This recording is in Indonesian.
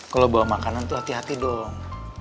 kalau bawa makanan tuh hati hati dong